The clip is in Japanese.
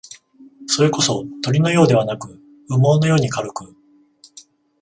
それこそ、鳥のようではなく、羽毛のように軽く、